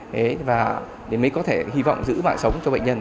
đấy và mới có thể hy vọng giữ mạng sống cho bệnh nhân